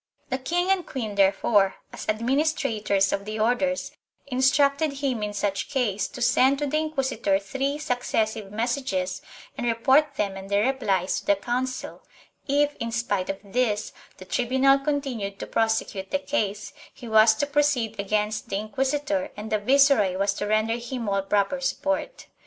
The king and queen therefore, as administrators of the Orders, in structed him in such case to send to the inquisitor three successive messages and report them and their replies to the Council ; if, in spite of this, the tribunal continued to prosecute the case, he was to proceed against the inquisitor and the viceroy was to render him all proper support.